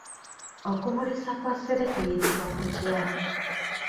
Okumulisa kwa ssere kuyitibwa kutya?